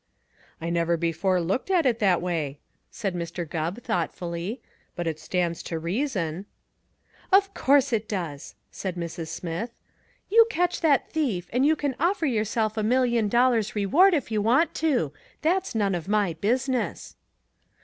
"I never before looked at it that way," said Mr. Gubb thoughtfully, "but it stands to reason." "Of course it does!" said Mrs. Smith. "You catch that thief and you can offer yourself a million dollars reward if you want to. That's none of my business."